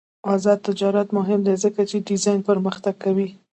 آزاد تجارت مهم دی ځکه چې ډیزاین پرمختګ کوي.